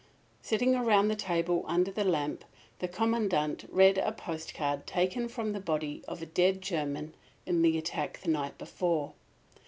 Sitting round the table under the lamp, the Commandant read a postcard taken from the body of a dead German in the attack the night before.